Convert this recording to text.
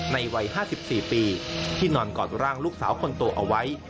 วัย๕๔ปีที่นอนกอดร่างลูกสาวคนโตเอาไว้